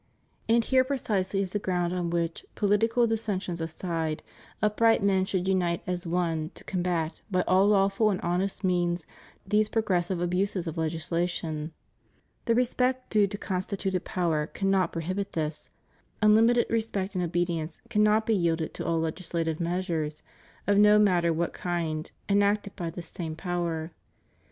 And here is precisely the ground on which, pohtical dissensions aside, upright men should unite as one to combat, by all lawful and honest means, these progressive abuses of legislation. The respect due to constituted power cannot prohibit this: unlimited respect and obedi ence cannot be 5delded to all legislative measures, of no matter what kind, enacted by this same power.